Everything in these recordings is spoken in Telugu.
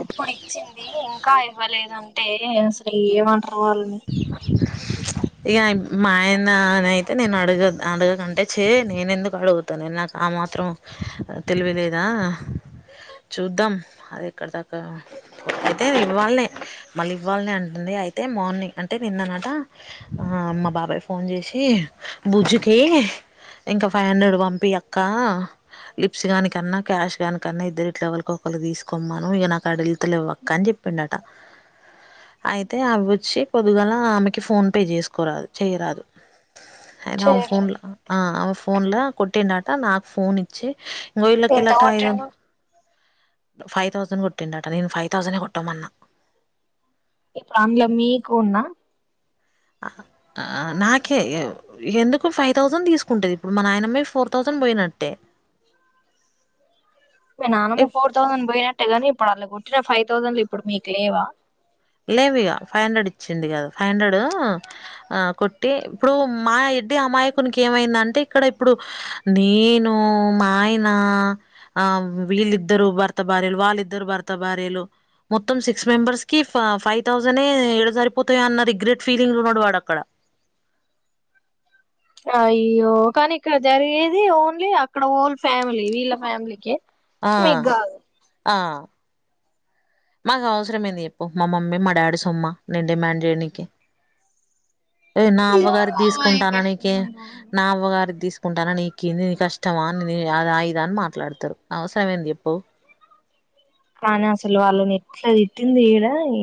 ఎప్పుడో ఇచ్చింది ఇంకా ఇవ్వలేదంటే అసలు ఏమంటారు. వాలని. ఏ అయన్ మా ఆయన అని అయితే నేను అడగద్ అడగను అంటే చే నేను ఎందుకు అడుగుతానునె నాక్ ఆమెక్. మాత్రం తెలివలేదా. చూద్దాం అది ఎక్కడ దాకా అయితే ఇవ్వాలనే మళ్ళీ ఇవ్వాలనె అంటుంది. అయితే మార్నింగ్. అంటే నిన్నన్నట మా బాబాయ్ ఫోన్ చేసి బుజ్జుకి. ఇంకా ఫైవ్ హండ్రెడ్ పంపి అక్క. లిప్స్ గాని కన్నా క్యాష్ గని కన్నా ఇద్దరు ఇట్లా ఎవరికో ఒకరికి తీసుకొమ్మాను ఇక నాకడ ఎల్తలేవుఅక్క అని చెప్ప. పిండట అయితే అవ వచ్చి. పొదుగాల ఆమెకి ఫోన్ పే చేసుకోరాదు చేయరాదు. అయినా ఆ చేయరు ఫోన్ లో ఆ ఆమె ఫోన్ లో కొట్టిండాట నాకు ఫోన్ ఇచ్చి. గోయలకి ఎంత లాట అయిదం. కొట్టిండు ఫైవ్ థౌసండ్ కొట్టిండట నేను ఫైవ్ థౌసండే కొట్టామన్న. ఆంగ్ల మీకున్న. ఆ నాకే ఎ ఎందుకు ఫైవ్ థౌసండ్ తీసుకుంటది ఇప్పుడు మా నాయనమ్మ ఫోర్ థౌసండ్. పోయినట్టే. మీ నాన్నమ్ ఫోర్ థౌసండ్ పోయినట్టేగాని ఇప్పుడు అళ్ళ కొట్టిన ఫైవ్ థౌసండ్లు ఇప్పుడు మీకు లేవా. లేవ ఇగ ఫైవ్ హండ్రెడ్. వచ్చింది కదా ఫైవ్ హండ్రెడ్ అ కొట్టి ఇప్పుడు మా ఎడ్డి అమాయకునికి ఏమైంద అంటే. ఇక్కడ ఇప్పుడు నేను మా ఆయన ఆ వీళ్ళిద్దరు భర్త. భర్త భార్యలు వాళ్ళిద్దరు భర్త భార్యలు మొత్తం సిక్స్ మెంబర్స్ కి. ఫైవ్ థౌజండడ్ ఎడ సరిపోతాయ అన్న రిగ్రెట్ ఫీలింగ్ లో ఉన్నాడు వాడు అక్కడ. అయ్యో కానీ ఇక్కడ జరిగేది ఓన్లీ అక్కడ ఓల్ ఫ్యామిలీ వీళ్ళ ఫ్యామిలీకి. ఆ మీకు కాదు. ఆ. మాకు అవసరమె లేదు పో మా మమ్మీ మా డాడీ సొమ్మ నేను డిమాండ్ చేయనీకి. నా అవ్వగారి తీసుకుంటాను నీక నా అవ్వగారి తీసుకు. ఒప్పుకుంటానా నీకు నీ కష్టమా నీ అదా ఇదా అని మాట్లాడతారు అవసరం ఏంది చప్పు. కానీ అసలు వాళ్ళని ఎట్లా తిట్టింది ఈడ ఈ.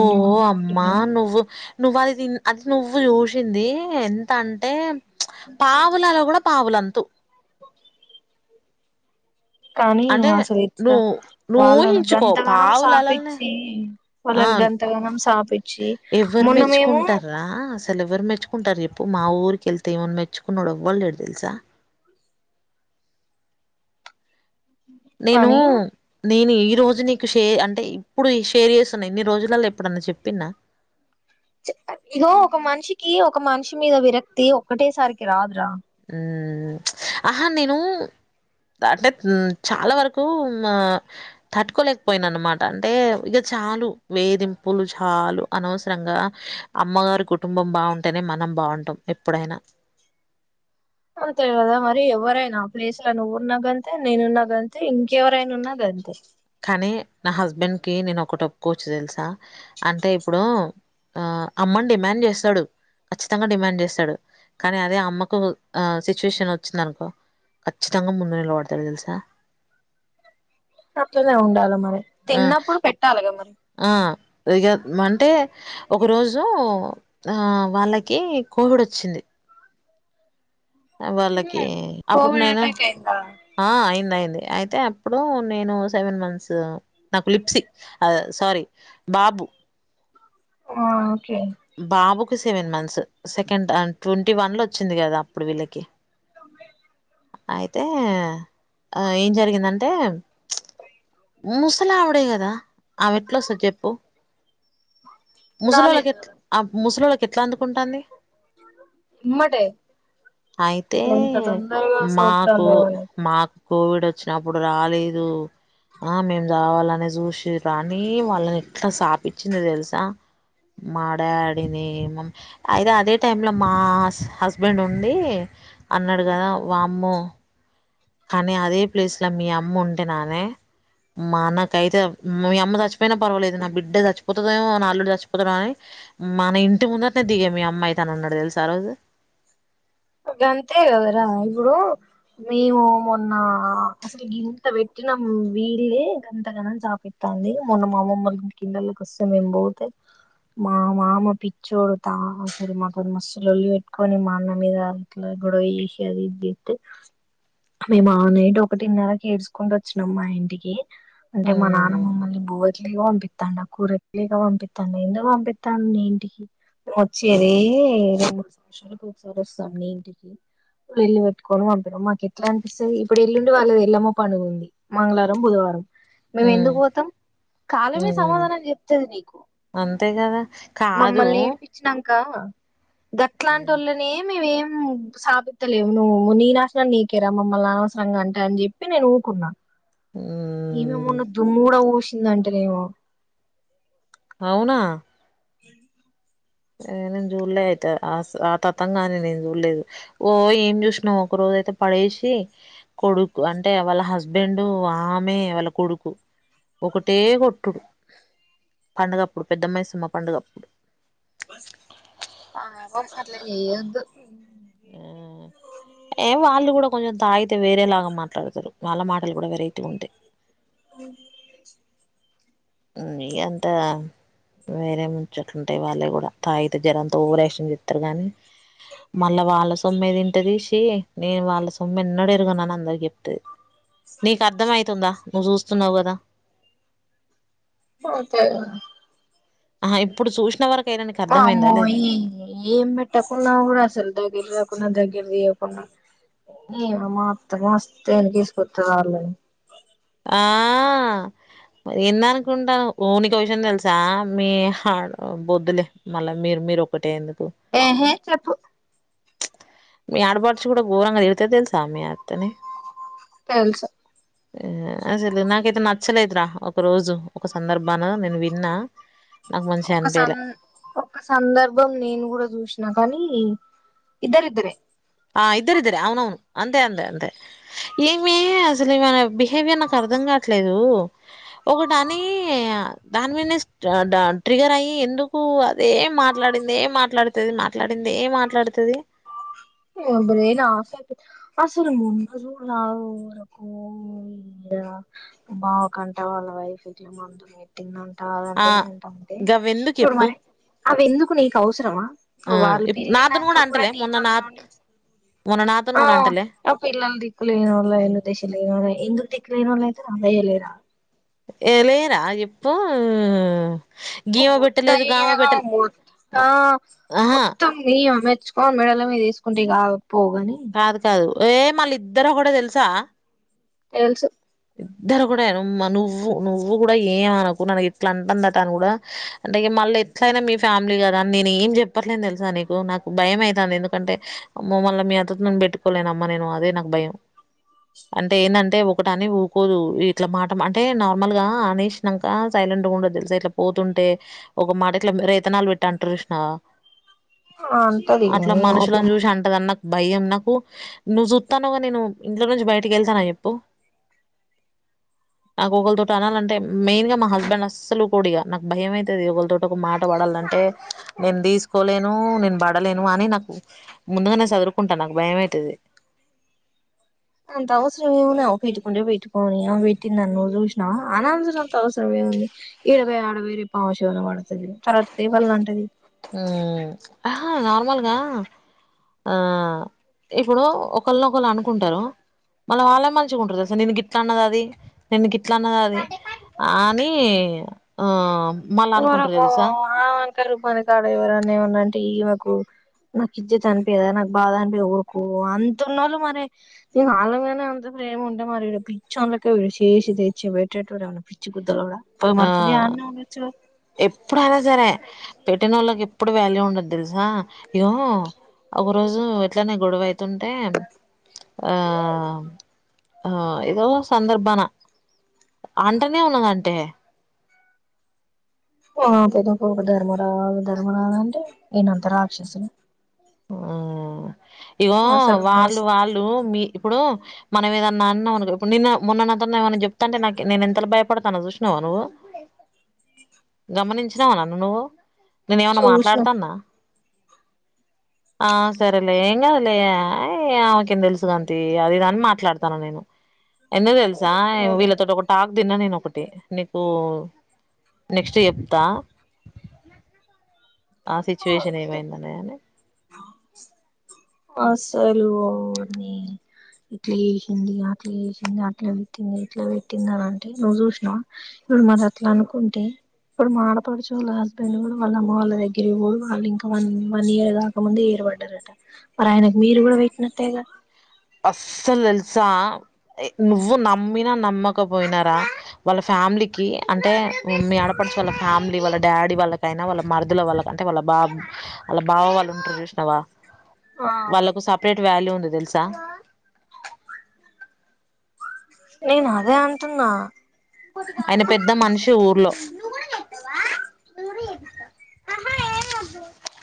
ఓ అమ్మా నువ్వు. నువ్వు అది తి అది నువ్వు చూసింది ఎంత అంటే పావులలో కూడా. పవలంతు. కానీ అంటే అసలు ఇట్లా నువ్ ను వాళ్ళను ఊహించుకో గంతగానం పావులలల్నే సాపిచ్చి ఆ. వాళ్ళని అన్ గంతగానం సాపిచ్చి ఎవరు మొన్న మేము మెచ్చుకుంటారా అసలు ఎవర్ మెచ్చుకుం. కుంటారు చెప్పు మా ఊరిక వెళ్తే ఇమన మెచ్చుకున్నాడు ఎవ్వలేలేడు తెలుసా. నేను కానీ నేన. ఈ రోజు నీకు షే అంటే ఇప్పుడు షేర్ చేస్తున్నా ఇన్ని రోజులలో ఎప్పుడన్నా చెప్పిన. ఇగో ఒక మనిషికి ఒక మనిషి మీద విరక్తి ఒక్కటేసారికి రాదురా. అహా నేను. అంటే చాలా వరకు మా తట్టుకోలేకపోయిన అనమాట అంటే ఇంక. చాలు వేధింపులు చాలు అనవసరంగా అమ్మగారి కుటుంబం బాగుంటేనే మనం. బాగుంటాం ఎప్పుడైనా. అంతే కదా మరి ఎవరైనా అ ప్లేస్ లో నువ్వున్నాగంతే నేనున్నగాంతే ఇంకెవరైనా ఉన్న గంతే. కానీ నా హస్బెండ్ కి నేను ఒకటప్పుకోవచ్చి తెలుసా అంటే ఇప్పుడు ఆ అమ్మని డిమాండ్ చేస్తాడు ఖచ్చితంగా డిమాండ్ చేస్తాడు కానీ అదే అమ్మకు ఆ సిచ్యుయేషన్ వచ్చింది అనుకో ఖచ్చితంగా ముందు నిలబడతారు తెలుసా ఉ అట్లోనే ఉండాలి మరి తిన్నప్పుడు పెట్టాలిగా మరి ఆది అంటే ఒక రోజు ఆ వాళ్ళకి కోవిడ్ కూడా వచ్చింది వాళ్ళకి అప్పుడు కోవిడ్ నేను అటాక్ అయిందా ఆ అయింది అయింది అయితే అప్పుడు నేను సెవెన్ మంత్స్ నాకు లిప్సీ సారీ బాబు ఆ ఓకే బాబుకు seven months second twenty one లో వచ్చింది కదా అప్పుడు వీళ్ళకి ఉ అయితే ఆ ఏం జరిగిందంటే ముసలా ఆవిడే కదా ఆమె ఎట్లు వస్తా చెప్పు ముసలోళకి రాలేదు ఎట్ ఆ ముసలోళకి ఎట్లా అందుకుంటుంది ఇమ్మాటే అయితే మాకు సోకుతాందో వాళ్ళకి మాకు కోవిడ్ వచ్చినప్పుడు రాలేదు ఆ మేం రావాలని చూసి రాని వాళ్ళని ఎట్లా స్పించింది తెలుసా మా డాడీని మమ్మీ అయితే అదే టై లో మా హస్బెండ్ ఉండి అన్నట్ అడుగదా వామ్ము కానీ అదే ప్లేస్ లో మీ అమ్మ ఉంటే నానే మా నాకైతే మీ అమ్మ చచ్చిపోతదేమో ఆన పర్వాలేదు నా బిడ్డది చచ్చిపోతే అల్లుడు చచ్చిపోతాడు అని మన ఇంటి ముందటనే దిగే మీ అమ్మాయితేనే ఉన్నాడు తెలుసి ఆ రోజు ట్రైన్ సౌండ్ అంతే కదరా ఇప్పుడు మేము మొన్న అసలు గింత పెట్టిన వీళ్ళే గంతగనం చాపట్టంది మొన్న మామమ్మలు కిలలకి వస్తే మేము పోతే మా మామ పిచ్చోడుతా సరే మాకుది మస్తు లొల్లి పెట్టుకొని మా అన్న మీద గొడవ అది ఇతే మేము ఆ నైడు ఒకటిన్నెరకి ఏడ్చుకుంటూ వచ్చినం మా ఇంటికి అంటే మా నాన్న ఉమ్ మమ్మల్ని ఉకే ఉకే పంపిస్తం కురకు లేక పంపిస్తండి ఎందుకు పంపిస్తాను నే ఇంటికి వచ్చేది రెండు మూడు సంవత్సరాలకు ఒకసారి వస్తాన ఇంటికి లొల్లి పెట్టుకొని పంపినం మాకు ఎట్లా అపిస్తుంది ఇప్పుడు ఎల్లుండి వాళ్లది ఎల్లమ్మ పండగ ఉంది మంగళవారం బుధవారం మేము ఉమ్ ఎందుకు పోతాం కాలమే ఉమ్ సమాధానం చెప్తది నీకు అంతే కదా కాదు మమ్మల్ని నేడిపచ్చాంక గట్లాంటి వాళ్ళనేమివేమి స్థాపిస్తలేవు నువ్వు నీ నాసినం నీకేరా మమ్మల్ని అనవసరంగా అంటే అని చెప్పి నేను ఊకున్నాను ఉమ్ ఏమేమున్న దుమ్ము కూడా పోసిందంటేనేమో అవునా ఆవున నేను చూడలే అయితే ఆ తతంగా కాని నేను చూడలేదు ఓ ఏం చూసినావు ఒక రోజు ఐయితే పడేసి కొడుకు అంటే వాళ్ళ హస్బెండ్ ఆమె వాళ్ళ కొడుకు ఒకటే కొట్టుడు పండుగప్పుడు పెద్ద మైసమ్మ పండుగప్పుడు ఆ గట్ల చేయద్దు ఏ వాళ్ళు కూడా కొంచెం తాగితే వేరే లాగా మాట్లాడతారు వాళ్ళ మాటలు కూడా వెరైట్గా ఉంటాయి ఓ హు నీ అంత నా వేరే ముంచోట్లుంటాయి వాళ్ళే కూడా తాగితే జరంతా ఓవరాక్షన్ చేస్తారు చెస్తారు గానీ మళ్ళా వాళ్ళ సొమ్మెదిింట తీసి నేను వాళ్ళ సొమ్మె ఎన్న ఎరుగన్నాను అందరు చెప్తది నీకు అర్ధమవుతుందా నువ్వు చూస్తున్నావ్ కదా [unintelligible] ఆ ఇప్పుడు చూసిన వరకు అయినా నీకు అర్థమయిందా మామ్మోయ లేదా ఏం పెట్టకున్నా కూడా అసలు దా గకున్న దగ్గ దకున్నా ఏ మత్త మస్తే తీసుకొస్త వాళ్ళ ఆ ఎంద అనుకుంటాను ఓ నీకు విషయం తెలుసా మీ బొద్దులే మళ్ళా మీరు మీరు ఒకటే ఎందుకు ఆహే చెప్పు మీ ఆడబటుచ కూడా ఘోరంగా తిడతే తెలుసా మీ అత్తనే తెలుసు అసలు నాకైతే నచ్చలేదురా ఒక రోజు ఒక సందర్భాన నేను విన్నా నాకు మంచిగా ఒక స అనిపియలే ఒక సందర్భం నేను కూడా చూసినా కానీ ఇద్దారుద్దర ఆ ఇద్దరుద్దరి అవునవును అంతే అందే అంతే ఏమ అసలు ఇ బిహేవయర్ న కర్దం కాట్లేదు ఒకట అని దాని మీద ట్రిగర్ అయి ఎ ఎందుకు అదేం మాట్లాడింది ఏం మాట్లాడుతుది మాట్లాడింది ఏం మాట్లాడుతుది ఆ బ్రున్ ఆస అసలు ముందుజూ నరకు బావ కంట వాళ్ళ వైఫ్ ఇట్లా మందు మట్టింగ్ అ ఆ టంటే ఏదంటా ఉంటే గవ్వెందుకు ఇప్పుడు చెప్పు మరి అవి ఎందుకు నీకు అవసరమా ఆ వాళ్ళు ఇప్ నాతోని పళ్ళనాక కూడా అంటలే మొన్న నా నీతోనే మొన్న నాతోని ఆ కూడా అంటలే అ పిల్లలు దికులు ఏనోళ ఎలు దేశాల ఎందుకు ద న్నాయితే అదయ లేరా ఏ లేరా చేప్పు ఓ మద్ద మ ఆహా మొత్తం న అ తెచ్చుకోని మెడల మీ తీసుకుంటే కా పోగాని కాదు కాదు ఏ మళ్ళ ఇద్దరు కూడా తెలుసా తెలుసు ఇద్దరు కూడా నువ్వు నువ్వు కూడా ఏమనకు నాన ఇట్లా అంటుందట అని కూడా అంటే మళ్ళీ ఎట్లయినా మీ ఫ్యామిలీ కదా అని నేను ఏం చెప్పట్లేని తెలుసా నీకు నాకు భయం అవుతుంది ఎందుకంటే మళ్ళ మీ అత్తతో పెట్టుకోలేనమ్మ నేను అదే నాకు భయం అంటే ఏందంటే ఒకటని ఊకోదు ఇట్లా మాట అంటే నార్మల్ గా అనేషినంక సైలెంట్ గా ఉండదు తెలుసా ఇట్లా పోతుంట తుంటే ఒక మాట ఇట్లా రైతనాలు పెట్ అంటరు చూసినవా అంటది అట్లా మనుషులను జూసి అందని నాక్ భయం నాకు నువ్వు జూస్తున్నవ్ గా నేను ఇంట్లో నుంచి బయటికి వెళ్తానా చెప్పు [inaudible] నాకు ఒకరితోటి అనాలంటే మెయిన్ గా మా హస్బెండ్ అసలు ఊకోడు ఇగా నాకు భయం అయితది ఒకల్ తోటి ఒక మాట బడాలి అంటే నేను దీసుకోలేను నేను బడలేను అని నాకు ముందుగా నే చదురు కుంటా నాకు భయమైతది అంత అవసరం ఏముంది ఆమె పెట్టుకుంటే పెట్టుకోని ఆమె పెట్టిందని నువ్వు జూసినవా అనాల్సి నంత అవసరం ఏ ముంది ఈడబోయి ఆడబోయి రేపు ఆమె శవిన పడుతది తర్వాత ఎవల్ని అంటది మ్ ఆహా నార్మల్ గా ఆ ఇప్పుడు ఒకల్ని ఒకళ్ళు అనుకుంటరు మళ్ళ వాళ్ళె మంచిగ ఉంటరు దెలుస నిన్ను గిట్లా అన్నది అది నిన్ను ఇట్లా అన్నది అది అని ఆ మళ్ళ అనుకుంటారు ఒరక్కొ తెలుసా ఆమె అంటరు కొన్ని కాడ ఎవరన్న ఏమన్నా అంటే ఈమెకు నాకు ఇజత్ అనిపియదా నాకు బాధ అనిపియదా ఊకో అంత ఉన్నోళ్ళు మరి నేను ఆళ్ల మీనే అంత ప్రేమ ఉంటే మరి ఈడ పిచ్చోలెక్క చేసి తెచ్చి పెట్టెటోడు ఏమైన్న పిచ్చి గుద్దలోడా పోయి మరి పురీ ఆడనే ఉన్నా ఎప్పుడు అయినా సరే పెట్టినోళ్ళకి ఎప్పుడు వాల్యూ ఉండదు తెలుసా ఇగో ఒక రోజు యిట్లనే గొడవ అయితుంటే ఆ ఆ ఏదో సందర్భానా అంటనే ఉన్నదంటే ఆ పెద్దకొడుకు ధర్మ రాజు ధర్మ రాజు అంటే నేనంత రాక్షసినా ఆ ఇగో వాళ్ళు మస్త్ వాళ్ళు మీ ఇప్పుడు మనం ఏదన్నా అన్నవనుకో ఇప్పుడు నిన్న మొన్న నాతోని ఏమన్నా జెప్తంటే నాకు నేను ఎంతలా భయపడతానో జూసినవా నువ్వు [inaudible] గమనించినవా నన్ను నువ్వు నేను ఏమన్నా చూసిన మాట్లాడుతన్నా [inaudible] ఆ సరేలే ఏం గాదులే అయి ఆమెకేం దెలుసు గాని తీ అది ఇది అని మాట్లాడతున్న నేను [inaudible] ఎందుకు దెల్సా వీళ్ళ తోటి ఒక టాక్ తిన్న నేను ఒకటి నీకు నెక్స్ట్ జెప్తా ఆ సిచ్యువేషన్ ఏమైందనేది అసలు నీ ఇట్లా జేసింది అట్లా జేసింది అట్లా తిట్టింది ఇట్లా తిట్టింది అని అంటే నువ్వు జూసినవా ఇప్పుడు మరి అట్లా అనుకుంటే ఇప్పుడు మా ఆడపడుచు వాళ్ళ హస్బెండ్ గూడా వాళ్ళ అమ్మ వాళ్ళ దగ్గర వోడు వాళ్ళ ఇంకా వన్ వన్ ఇయర్ గాక ముందే బడ్డరట మరి ఆయనకు మీరు గూడా పెట్టినట్టెగా అసల్ దెల్సా నువ్వు నమ్మినా నమ్మకపోయినరా వాళ్ళ ఫ్యామిలీకి అంటే మీ ఆడ్ డపడుచు వాళ్ళ ఫ్యామిలీ వాళ్ళ డాడీ వాళ్ళకైనా వాళ్ళ మరుదులు వాళ్ళ అంటే వాళ్ళ బాబు వాళ్ళ బావ వాళ్ళు ఉంటరు జూసినావా వాళ్ళకు సర్పెట్ వాల్యూ ఉంది దెలుసా నేన్ అదే అంటున్నా ఆయన పెద్ద మనిషి ఊర్లో ఆహా ఏంవద్దు